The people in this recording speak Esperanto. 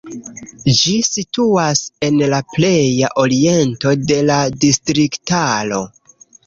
Ĝi situas en la pleja oriento de la distriktaro.